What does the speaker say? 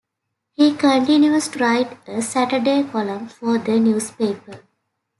He continues to write a Saturday column for the newspaper.